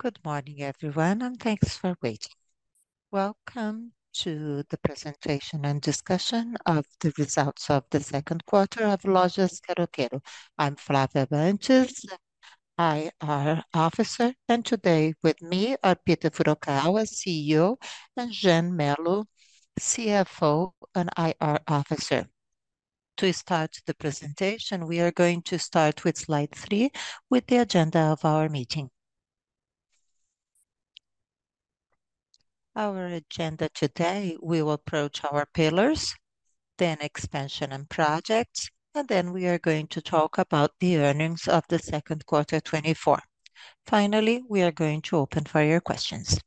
Good morning, everyone, and thanks for waiting. Welcome to the presentation and discussion of the results of the second quarter of Lojas Quero-Quero. I'm Flávio Abrantes, IR Officer, and today with me are Peter Furukawa, CEO, and Jean Mello, CFO and IR Officer. To start the presentation, we are going to start with slide three, with the agenda of our meeting. Our agenda today, we will approach our pillars, then expansion and projects, and then we are going to talk about the earnings of the second quarter 2024. Finally, we are going to open for your questions.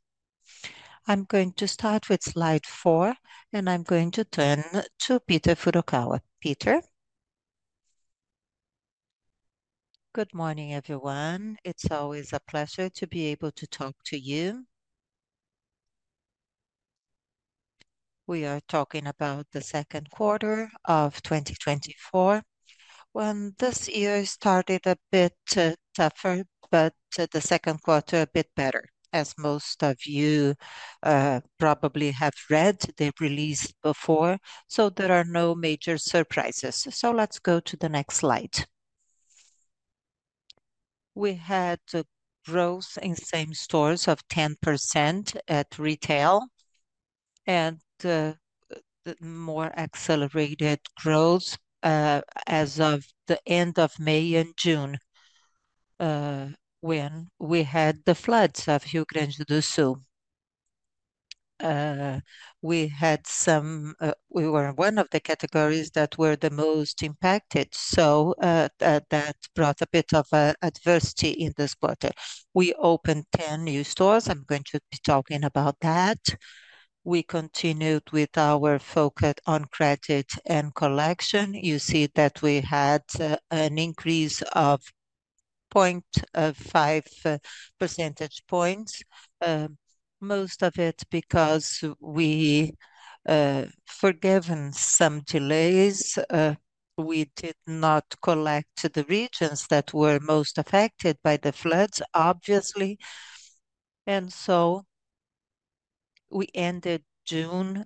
I'm going to start with slide four, and I'm going to turn to Peter Furukawa. Peter? Good morning, everyone. It's always a pleasure to be able to talk to you. We are talking about the second quarter of 2024. Well, this year started a bit tougher, but the second quarter a bit better, as most of you probably have read the release before, so there are no major surprises. So let's go to the next slide. We had growth in same stores of 10% at retail, and the more accelerated growth as of the end of May and June, when we had the floods of Rio Grande do Sul. We had some... We were one of the categories that were the most impacted, so that brought a bit of adversity in this quarter. We opened 10 new stores. I'm going to be talking about that. We continued with our focus on credit and collection. You see that we had an increase of 0.5 percentage points, most of it because we forgiven some delays, we did not collect the regions that were most affected by the floods, obviously. So we ended June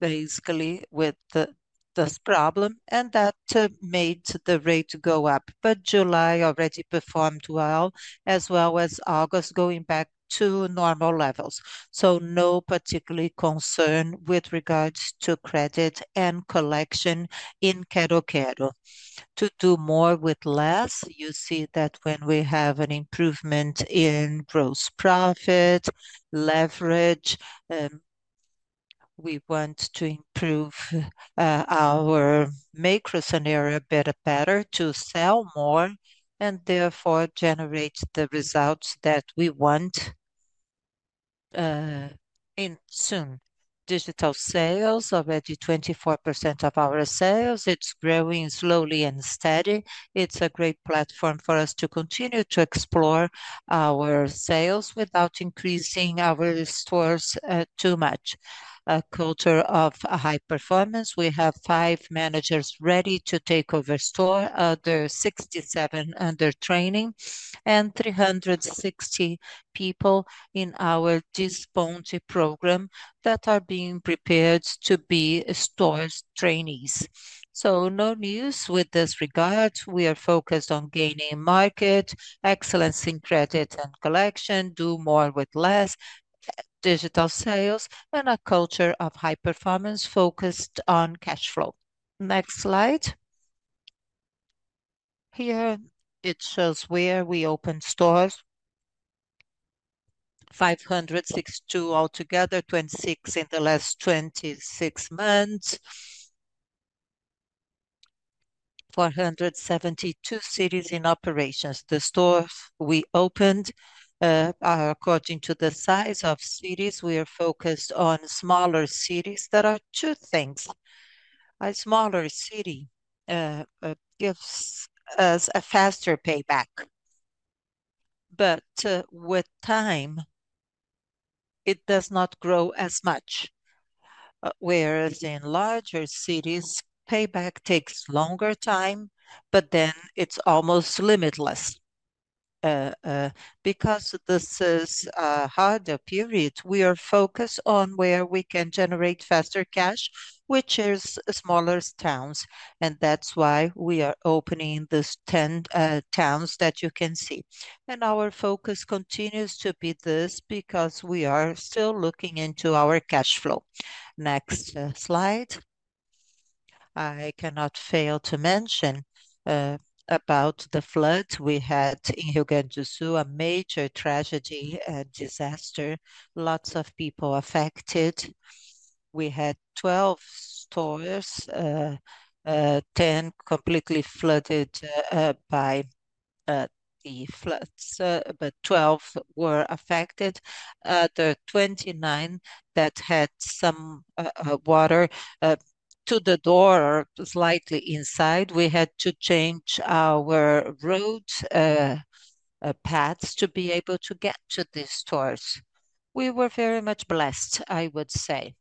basically with this problem, and that made the rate go up. But July already performed well, as well as August, going back to normal levels, so no particular concern with regards to credit and collection in Quero-Quero. To do more with less, you see that when we have an improvement in gross profit, leverage, we want to improve our micro scenario better, better to sell more, and therefore generate the results that we want in soon. Digital sales, already 24% of our sales. It's growing slowly and steady. It's a great platform for us to continue to explore our sales without increasing our stores too much. A culture of high performance. We have five managers ready to take over store, there are 67 under training, and 360 people in our Disponíveis program that are being prepared to be store trainees. So no news with this regard. We are focused on gaining market, excellence in credit and collection, do more with less, digital sales, and a culture of high performance focused on cash flow. Next slide. Here, it shows where we opened stores. 562 altogether, 26 in the last 26 months. 472 cities in operations. The stores we opened are according to the size of cities, we are focused on smaller cities. There are two things: a smaller city gives us a faster payback, but with time, it does not grow as much. Whereas in larger cities, payback takes longer time, but then it's almost limitless. Because this is a harder period, we are focused on where we can generate faster cash, which is smaller towns, and that's why we are opening these 10 towns that you can see. Our focus continues to be this, because we are still looking into our cash flow. Next slide. I cannot fail to mention about the flood we had in Rio Grande do Sul, a major tragedy and disaster. Lots of people affected. We had 12 stores, 10 completely flooded by the floods, but 12 were affected. There were 29 that had some water to the door or slightly inside. We had to change our route paths to be able to get to these stores. We were very much blessed, I would say...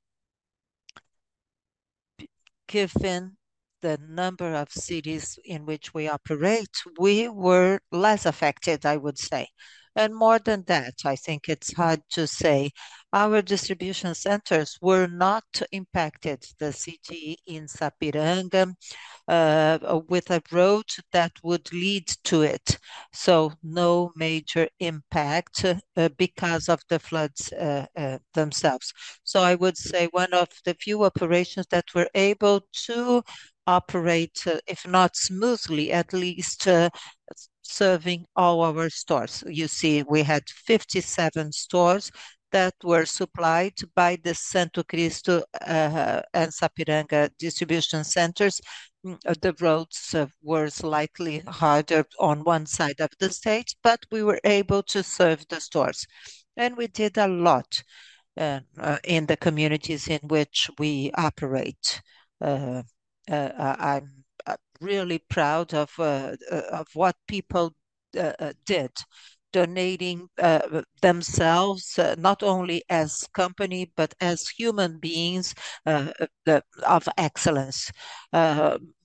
given the number of cities in which we operate, we were less affected, I would say. And more than that, I think it's hard to say. Our distribution centers were not impacted, the city in Sapiranga with a road that would lead to it, so no major impact because of the floods themselves. So I would say one of the few operations that were able to operate, if not smoothly, at least serving all our stores. You see, we had 57 stores that were supplied by the Santo Cristo and Sapiranga distribution centers. The roads were slightly harder on one side of the state, but we were able to serve the stores. We did a lot in the communities in which we operate. I’m really proud of what people did, donating themselves, not only as company, but as human beings of excellence.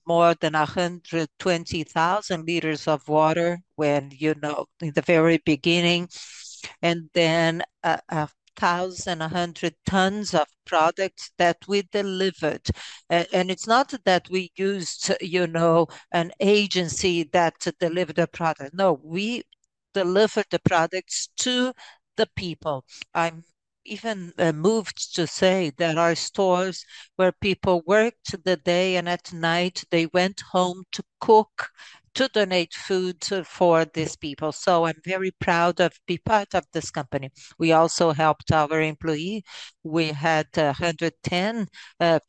More than 120,000 liters of water when, you know, in the very beginning, and then 1,100 tons of products that we delivered. And it's not that we used, you know, an agency that delivered the product. No, we delivered the products to the people. I'm even moved to say there are stores where people worked the day, and at night they went home to cook, to donate food to for these people. So I'm very proud of be part of this company. We also helped our employee. We had 110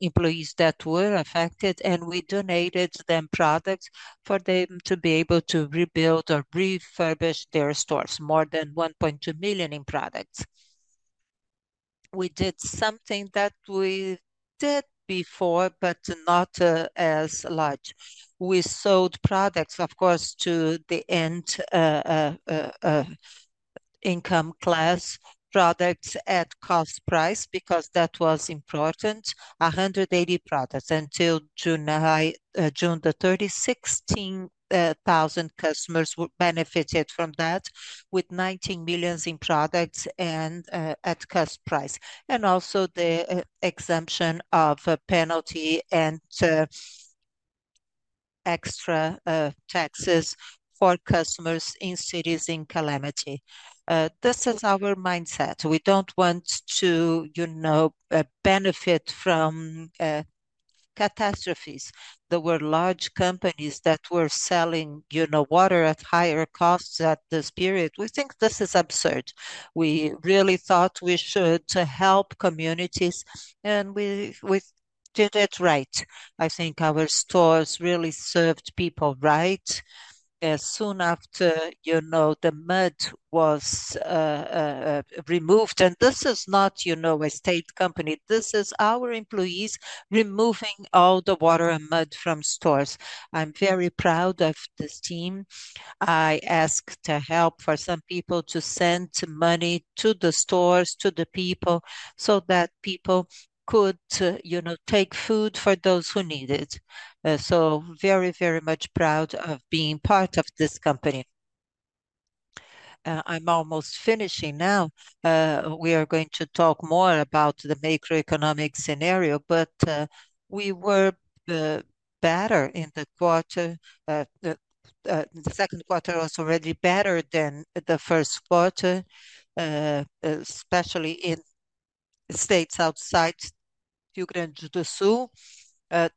employees that were affected, and we donated them products for them to be able to rebuild or refurbish their stores, more than 1.2 million in products. We did something that we did before, but not as large. We sold products, of course, to the end income class, products at cost price because that was important, 180 products. June 30, 16,000 customers were benefited from that, with 19 million in products and at cost price, and also the exemption of a penalty and extra taxes for customers in cities in calamity. This is our mindset. We don't want to, you know, benefit from catastrophes. There were large companies that were selling, you know, water at higher costs at this period. We think this is absurd. We really thought we should to help communities, and we did it right. I think our stores really served people right. Soon after, you know, the mud was removed. This is not, you know, a state company. This is our employees removing all the water and mud from stores. I'm very proud of this team. I asked to help for some people to send money to the stores, to the people, so that people could, you know, take food for those who need it. So very, very much proud of being part of this company. I'm almost finishing now. We are going to talk more about the macroeconomic scenario, but we were better in the quarter. The second quarter was already better than the first quarter, especially in states outside Rio Grande do Sul. I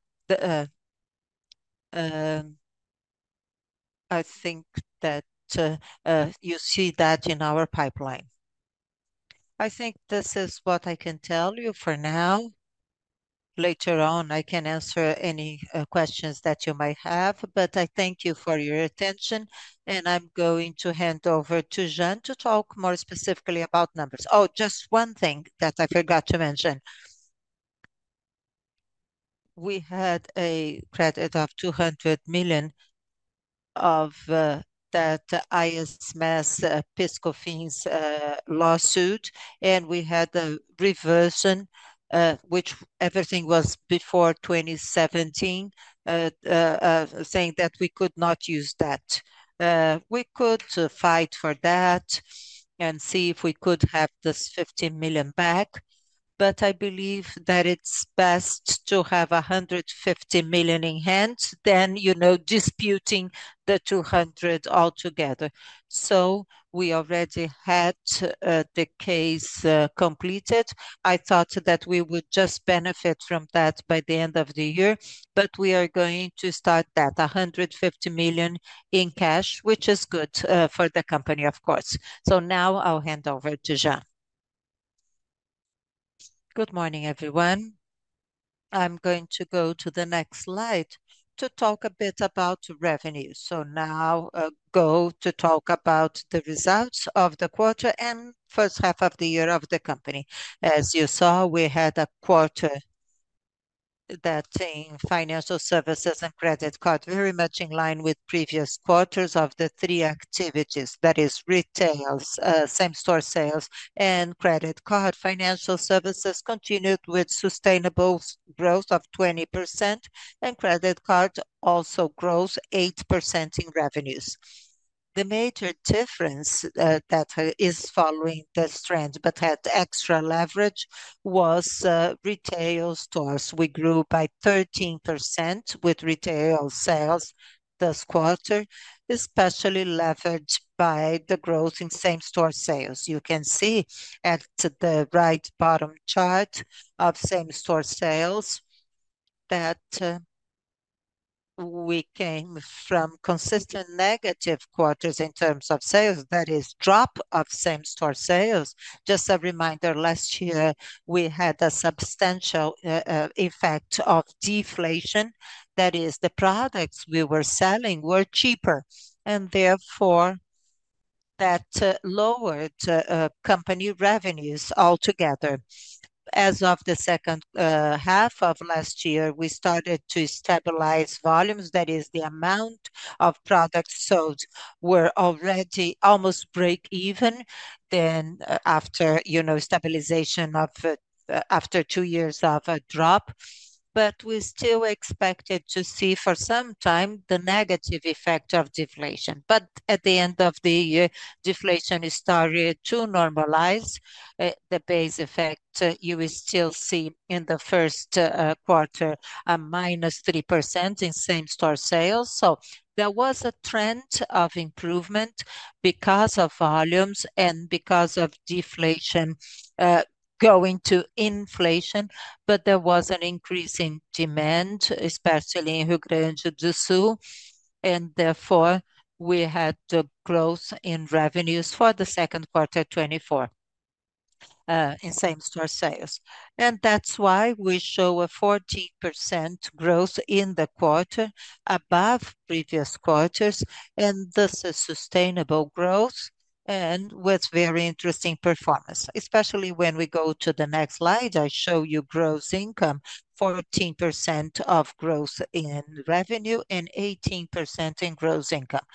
think that you see that in our pipeline. I think this is what I can tell you for now. Later on, I can answer any questions that you might have, but I thank you for your attention, and I'm going to hand over to Jean to talk more specifically about numbers. Oh, just one thing that I forgot to mention. We had a credit of 200 million of that ICMS, PIS/COFINS lawsuit, and we had a reversion, which everything was before 2017, saying that we could not use that. We could to fight for that and see if we could have this 50 million back, but I believe that it's best to have 150 million in hand than, you know, disputing the 200 million altogether. So we already had the case completed. I thought that we would just benefit from that by the end of the year, but we are going to start that, 150 million in cash, which is good for the company, of course. So now I'll hand over to Jean. Good morning, everyone. I'm going to go to the next slide to talk a bit about revenue. So now, go to talk about the results of the quarter and first half of the year of the company. As you saw, we had a quarter that in financial services and credit card, very much in line with previous quarters of the three activities, that is, retail, same-store sales and credit card. Financial services continued with sustainable growth of 20%, and credit card also grows 8% in revenues. The major difference, that is following this trend but had extra leverage was, retail stores. We grew by 13% with retail sales this quarter, especially leveraged by the growth in same-store sales. You can see at the right bottom chart of same-store sales, that we came from consistent negative quarters in terms of sales, that is drop of same-store sales. Just a reminder, last year, we had a substantial effect of deflation. That is, the products we were selling were cheaper, and therefore, that lowered company revenues altogether. As of the second half of last year, we started to stabilize volumes, that is the amount of products sold were already almost break even. Then after, you know, stabilization of, after two years of a drop, but we still expected to see for some time the negative effect of deflation. But at the end of the year, deflation started to normalize. The base effect, you will still see in the first quarter, a minus 3% in same-store sales. So there was a trend of improvement because of volumes and because of deflation going to inflation, but there was an increase in demand, especially in Rio Grande do Sul, and therefore, we had the growth in revenues for the second quarter 2024 in same-store sales. That's why we show a 14% growth in the quarter above previous quarters, and this is sustainable growth, and with very interesting performance. Especially when we go to the next slide, I show you gross income, 14% of growth in revenue and 18% in gross income.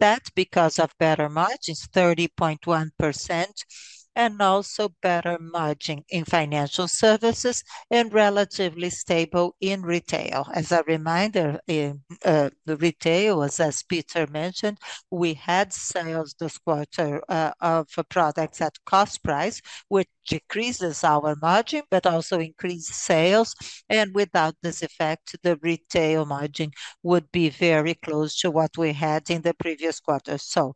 That's because of better margins, 30.1%, and also better margin in financial services, and relatively stable in retail. As a reminder, in the retail, as Peter mentioned, we had sales this quarter of products at cost price, which decreases our margin, but also increased sales, and without this effect, the retail margin would be very close to what we had in the previous quarter. So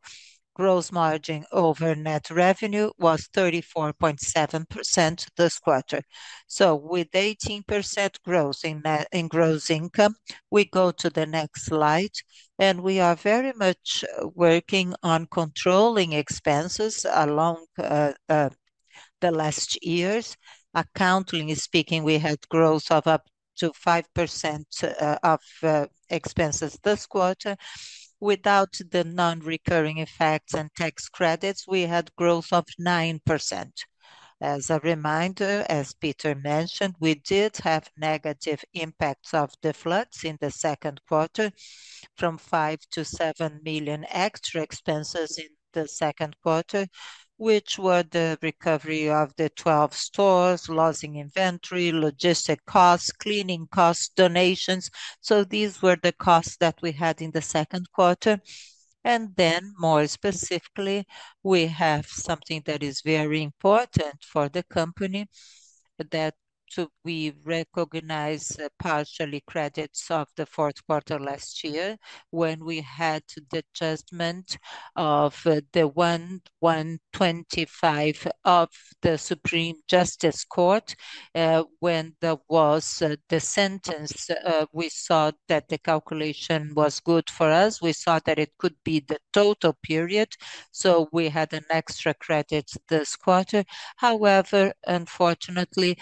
gross margin over net revenue was 34.7% this quarter. So with 18% growth in gross income, we go to the next slide, and we are very much working on controlling expenses along the last years. Accounting speaking, we had growth of up to 5% of expenses this quarter. Without the non-recurring effects and tax credits, we had growth of 9%. As a reminder, as Peter mentioned, we did have negative impacts of the floods in the second quarter, from 5 million-7 million extra expenses in the second quarter, which were the recovery of the 12 stores, losing inventory, logistic costs, cleaning costs, donations. So these were the costs that we had in the second quarter. More specifically, we have something that is very important for the company, that we recognize partially credits of the fourth quarter last year, when we had the judgment of the 1125 of the Supreme Court. When there was the sentence, we saw that the calculation was good for us. We saw that it could be the total period, so we had an extra credit this quarter. However, unfortunately,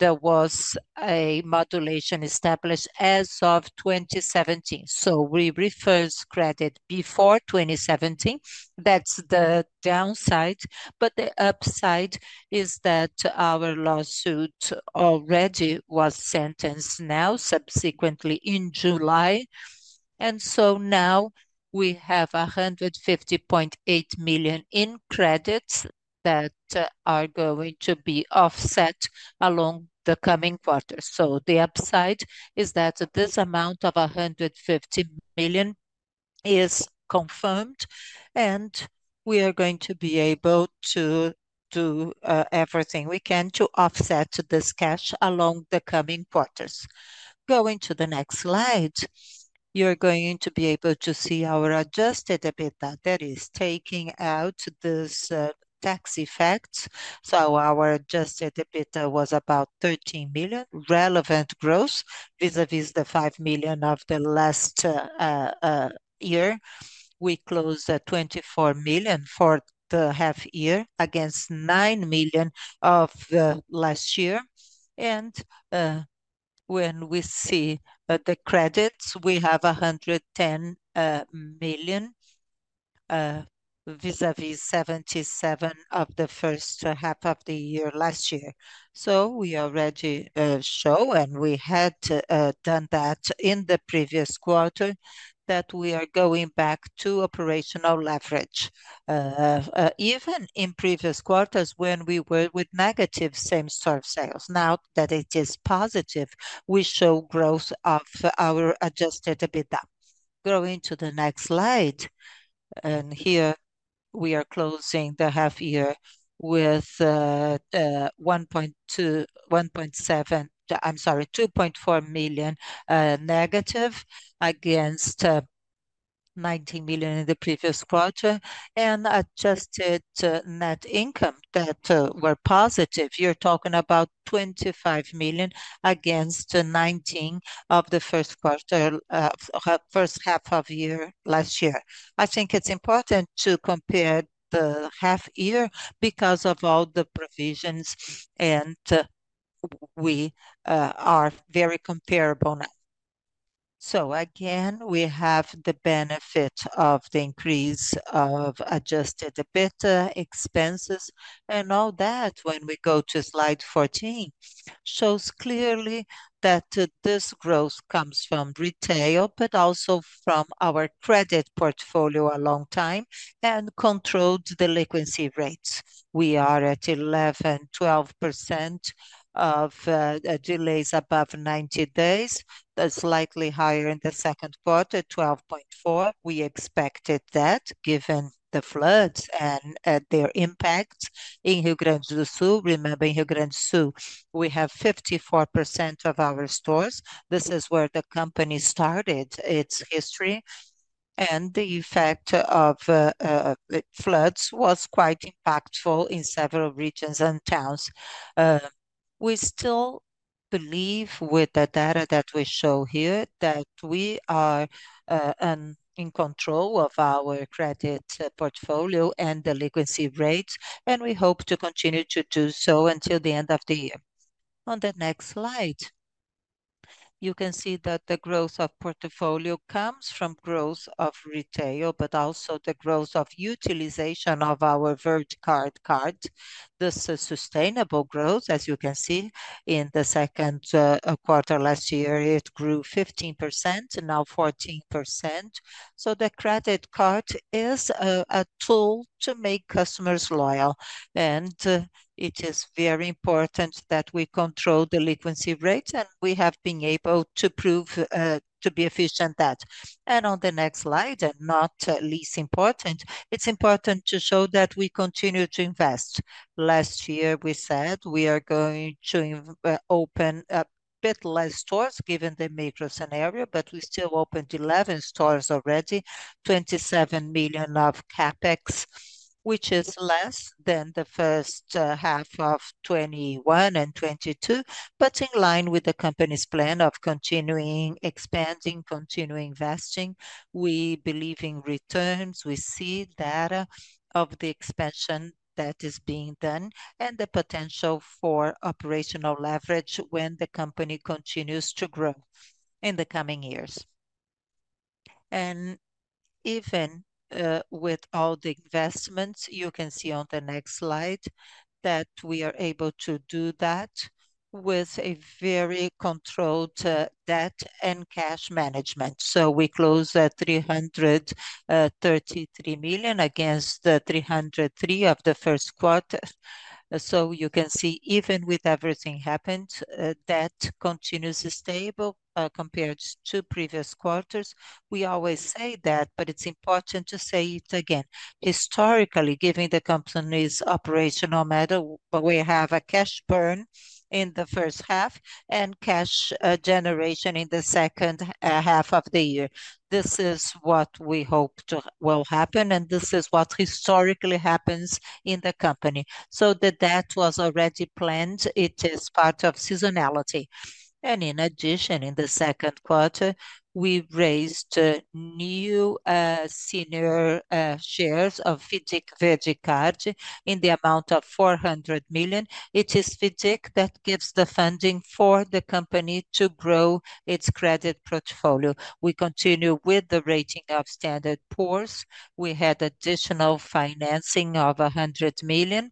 there was a modulation established as of 2017, so we referred credit before 2017. That's the downside, but the upside is that our lawsuit already was sentenced now, subsequently in July. So now we have 150.8 million in credits that are going to be offset along the coming quarters. So the upside is that this amount of 150 million is confirmed, and we are going to be able to do everything we can to offset this cash along the coming quarters. Going to the next slide, you're going to be able to see our adjusted EBITDA that is taking out this tax effect. So our adjusted EBITDA was about 13 million, relevant growth, vis-a-vis the 5 million of the last year. We closed at 24 million for the half year, against 9 million of the last year. And when we see the credits, we have 110 million vis-a-vis 77 of the first half of the year last year. So we already show, and we had done that in the previous quarter, that we are going back to operational leverage. Even in previous quarters when we were with negative same-store sales, now that it is positive, we show growth of our adjusted EBITDA. Going to the next slide, and here we are closing the half year with 1.2-1.7, I'm sorry, 2.4 million negative against 19 million in the previous quarter, and adjusted net income that were positive. You're talking about 25 million against the 19 of the first quarter, first half of year, last year. I think it's important to compare the half year because of all the provisions, and we are very comparable now. So again, we have the benefit of the increase of adjusted EBITDA expenses, and all that. When we go to slide 14, it shows clearly that this growth comes from retail, but also from our credit portfolio a long time, and controlled delinquency rates. We are at 11%-12% of delays above 90 days. That's slightly higher in the second quarter, 12.4%. We expected that, given the floods and their impact in Rio Grande do Sul. Remember, in Rio Grande do Sul, we have 54% of our stores. This is where the company started its history, and the effect of floods was quite impactful in several regions and towns. We still believe, with the data that we show here, that we are in control of our credit portfolio and delinquency rates, and we hope to continue to do so until the end of the year. On the next slide, you can see that the growth of portfolio comes from growth of retail, but also the growth of utilization of our VerdeCard card. This is sustainable growth, as you can see, in the second quarter last year, it grew 15% and now 14%. So the credit card is a tool to make customers loyal, and it is very important that we control delinquency rates, and we have been able to prove to be efficient at that. On the next slide, and not least important, it's important to show that we continue to invest. Last year, we said we are going to open a bit less stores, given the macro scenario, but we still opened 11 stores already. 27 million of CapEx, which is less than the first half of 2021 and 2022, but in line with the company's plan of continuing expanding, continuing investing. We believe in returns. We see data of the expansion that is being done, and the potential for operational leverage when the company continues to grow in the coming years. And even with all the investments, you can see on the next slide, that we are able to do that with a very controlled debt and cash management. So we close at 333 million against the 303 million of the first quarter. So you can see, even with everything happened, debt continues stable compared to previous quarters. We always say that, but it's important to say it again. Historically, giving the company's operational model, but we have a cash burn in the first half, and cash generation in the second half of the year. This is what we hope will happen, and this is what historically happens in the company. So the debt was already planned. It is part of seasonality. And in addition, in the second quarter, we raised a new senior shares of FIDC VerdeCard in the amount of 400 million. It is FIDC that gives the funding for the company to grow its credit portfolio. We continue with the rating of Standard & Poor's. We had additional financing of 100 million,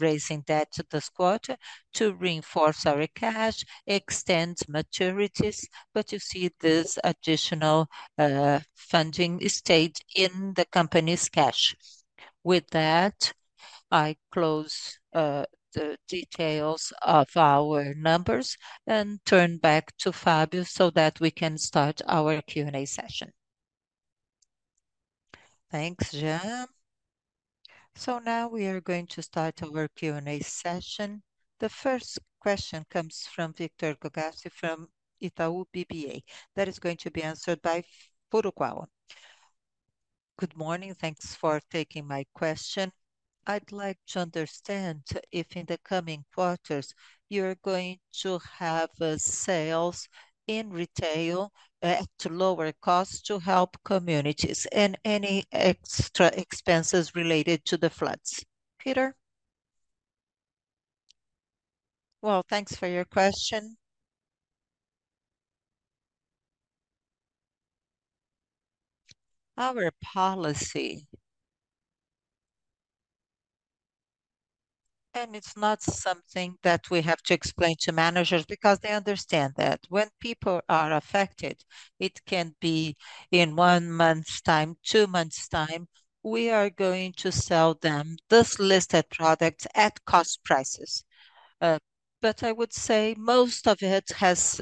raising that this quarter, to reinforce our cash, extend maturities, but you see this additional funding stayed in the company's cash. With that, I close the details of our numbers, and turn back to Flávio so that we can start our Q&A session. Thanks, Jean. So now we are going to start our Q&A session. The first question comes from Victor Rogatis from Itaú BBA, that is going to be answered by Peter Furukawa. Good morning, thanks for taking my question. I'd like to understand if in the coming quarters you're going to have sales in retail to lower costs to help communities, and any extra expenses related to the floods. Peter? Well, thanks for your question. Our policy... And it's not something that we have to explain to managers, because they understand that when people are affected, it can be in one month's time, two months' time, we are going to sell them this listed products at cost prices. But I would say most of it has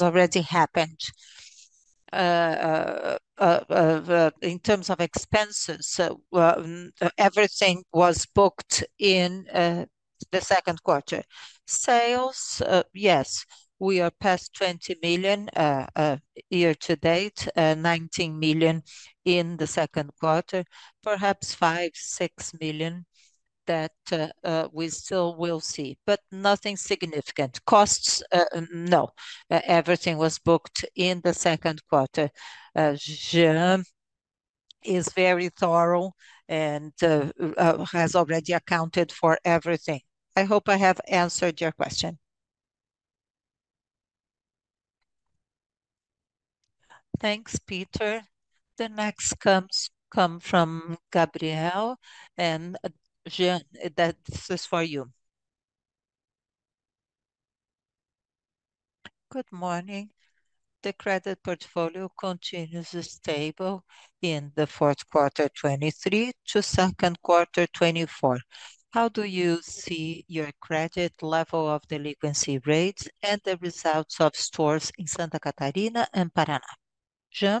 already happened. In terms of expenses, so, well, everything was booked in the second quarter. Sales, yes, we are past 20 million year to date, 19 million in the second quarter. Perhaps 5-6 million that we still will see, but nothing significant. Costs, no, everything was booked in the second quarter. Jean is very thorough and has already accounted for everything. I hope I have answered your question. Thanks, Peter. The next comes from Gabriel, and Jean, that is for you. Good morning. The credit portfolio continues stable in the fourth quarter 2023 to second quarter 2024. How do you see your credit level of delinquency rates and the results of stores in Santa Catarina and Paraná? Jean?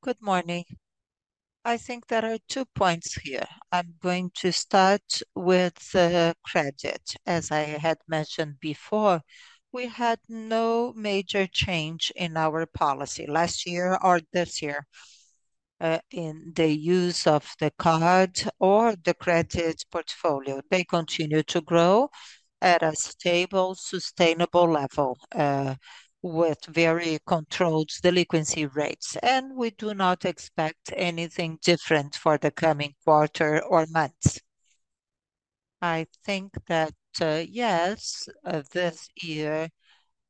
Good morning. I think there are two points here. I'm going to start with the credit. As I had mentioned before, we had no major change in our policy last year or this year, in the use of the card or the credit portfolio. They continue to grow at a stable, sustainable level, with very controlled delinquency rates, and we do not expect anything different for the coming quarter or months. I think that, yes, this year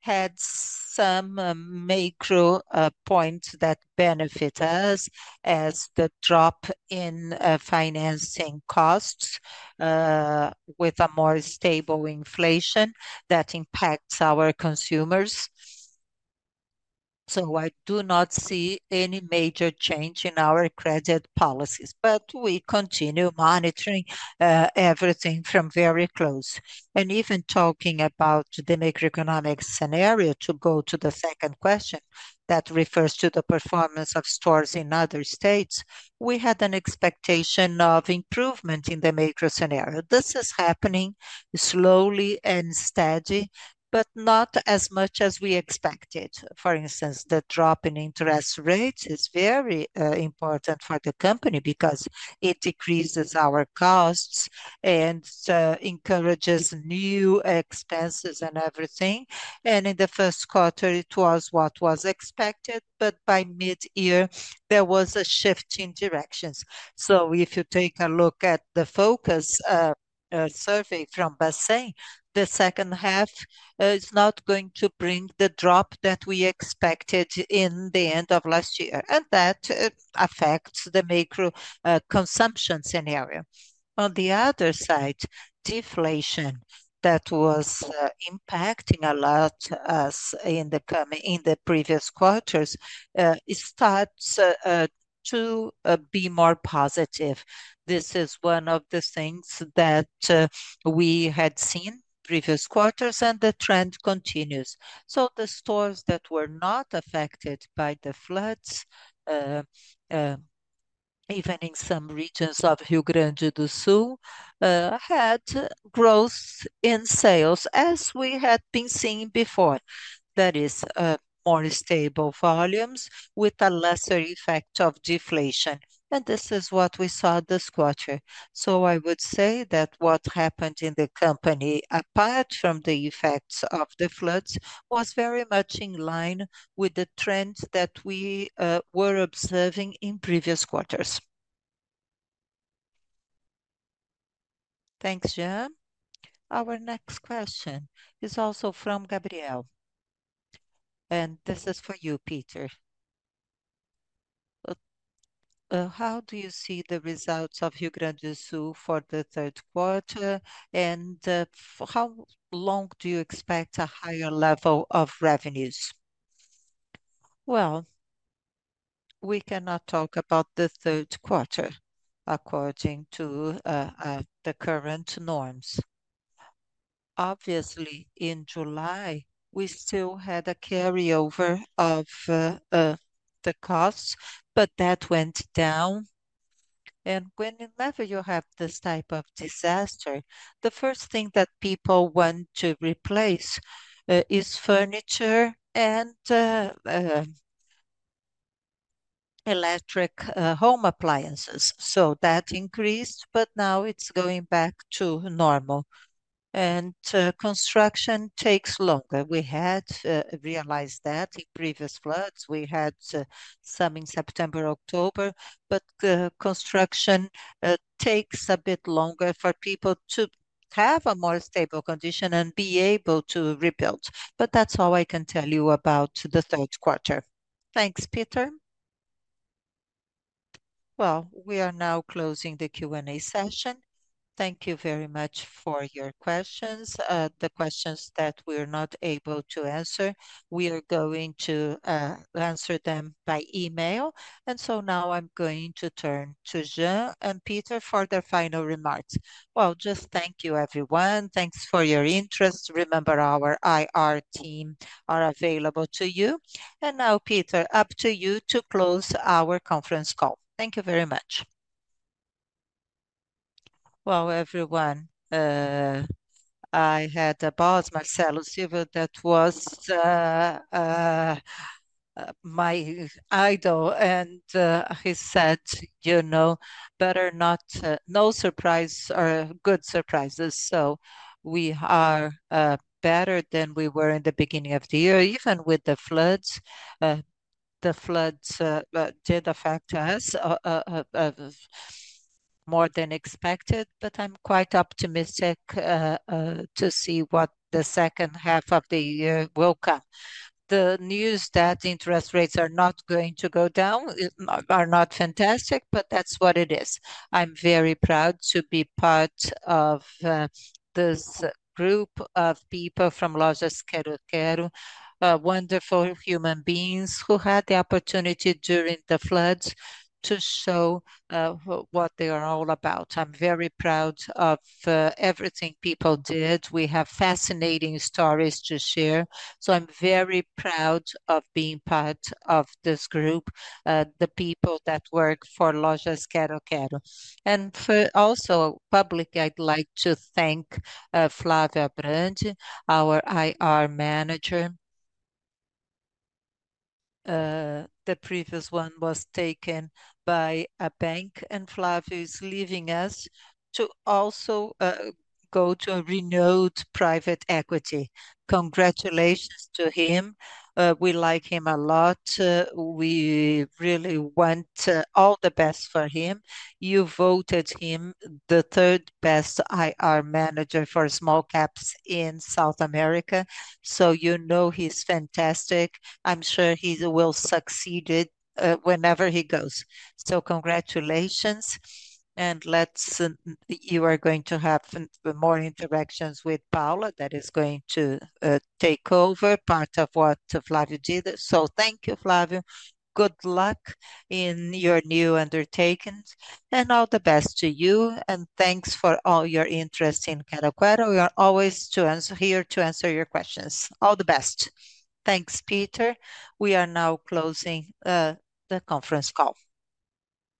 had some, macro, points that benefit us, as the drop in, financing costs, with a more stable inflation that impacts our consumers. So I do not see any major change in our credit policies, but we continue monitoring, everything from very close. And even talking about the macroeconomic scenario, to go to the second question, that refers to the performance of stores in other states, we had an expectation of improvement in the macro scenario. This is happening slowly and steady, but not as much as we expected. For instance, the drop in interest rates is very important for the company because it decreases our costs and encourages new expenses and everything, and in the first quarter, it was what was expected, but by mid-year, there was a shift in directions. So if you take a look at the Focus survey from Bacen, the second half is not going to bring the drop that we expected in the end of last year, and that affects the macro consumption scenario. On the other side, deflation that was impacting a lot us in the coming... In the previous quarters, it starts to be more positive. This is one of the things that we had seen previous quarters, and the trend continues. So the stores that were not affected by the floods, even in some regions of Rio Grande do Sul, had growth in sales, as we had been seeing before. That is, more stable volumes with a lesser effect of deflation, and this is what we saw this quarter. So I would say that what happened in the company, apart from the effects of the floods, was very much in line with the trends that we were observing in previous quarters. Thanks, Jean. Our next question is also from Gabriel, and this is for you, Peter. How do you see the results of Rio Grande do Sul for the third quarter, and how long do you expect a higher level of revenues? Well, we cannot talk about the third quarter according to the current norms. Obviously, in July, we still had a carryover of the costs, but that went down. Whenever you have this type of disaster, the first thing that people want to replace is furniture and electric home appliances. So that increased, but now it's going back to normal. Construction takes longer. We had realized that in previous floods. We had some in September, October, but construction takes a bit longer for people to have a more stable condition and be able to rebuild. But that's all I can tell you about the third quarter. Thanks, Peter. Well, we are now closing the Q&A session. Thank you very much for your questions. The questions that we're not able to answer, we are going to answer them by email. And so now I'm going to turn to Jean and Peter for their final remarks. Well, just thank you, everyone. Thanks for your interest. Remember, our IR team are available to you. And now, Peter, up to you to close our conference call. Thank you very much. Well, everyone, I had a boss, Marcelo Silva, that was my idol, and he said, "You know, better not... no surprise are good surprises." So we are better than we were in the beginning of the year, even with the floods. The floods did affect us more than expected, but I'm quite optimistic to see what the second half of the year will come. The news that interest rates are not going to go down is- are not fantastic, but that's what it is. I'm very proud to be part of this group of people from Lojas Quero-Quero, wonderful human beings who had the opportunity during the floods to show what they are all about. I'm very proud of everything people did. We have fascinating stories to share, so I'm very proud of being part of this group, the people that work for Lojas Quero-Quero. And for also publicly, I'd like to thank Flávio Abrantes, our IR manager. The previous one was taken by a bank, and Flávio is leaving us to also go to a renowned private equity. Congratulations to him. We like him a lot. We really want all the best for him. You voted him the third-best IR manager for small caps in South America, so you know he's fantastic. I'm sure he will succeed wherever he goes. So congratulations, and let's... You are going to have more interactions with Paula, that is going to take over part of what Flávio did. So thank you, Flávio. Good luck in your new undertakings, and all the best to you, and thanks for all your interest in Quero-Quero. We are always here to answer your questions. All the best. Thanks, Peter. We are now closing the conference call.